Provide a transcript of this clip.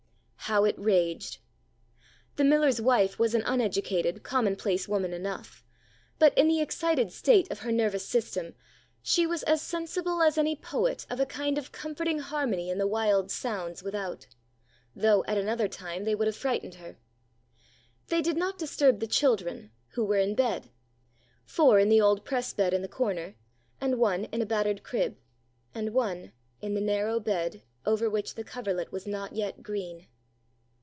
How it raged! The miller's wife was an uneducated, commonplace woman enough, but, in the excited state of her nervous system, she was as sensible as any poet of a kind of comforting harmony in the wild sounds without; though at another time they would have frightened her. They did not disturb the children, who were in bed. Four in the old press bed in the corner, and one in a battered crib, and one in the narrow bed over which the coverlet was not yet green.